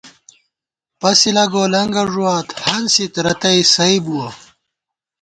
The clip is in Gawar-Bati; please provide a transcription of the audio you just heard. پَسِلہ گولَنگہ ݫُوات ، ہنسِت رتئ سَئ بُوَہ